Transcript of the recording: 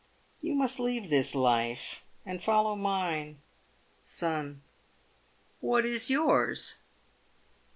You must leave this life and follow mine. Son. What is yours